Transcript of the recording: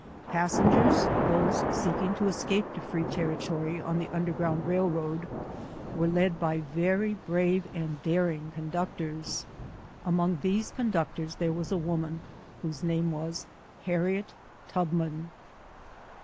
Passengers, those seek ing to escape to free territory, on the "under ground railroad" were led by very brave and dar ing conductors. Among these conductors there was a woman whose name was Harriet Tubman.